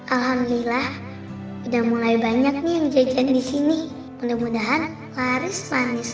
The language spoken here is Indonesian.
alhamdulillah udah mulai banyak nih yang jajan di sini mudah mudahan laris manis